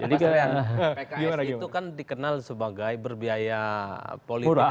jadi kalian pks itu kan dikenal sebagai berbiaya politik